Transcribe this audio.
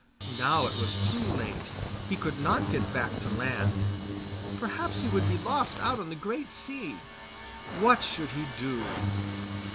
Now it was too late, he could not get back to land. Perhaps he would be lost out on the great sea. What should he do?